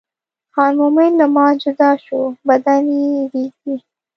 خان مومن له ما جدا شو بدن مې رېږدي.